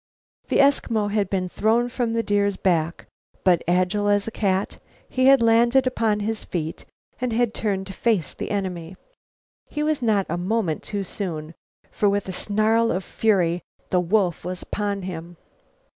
The Eskimo had been thrown from the deer's back, but, agile as a cat, he had landed upon his feet and had turned to face the enemy. He was not a moment too soon, for with a snarl of fury the wolf was upon him.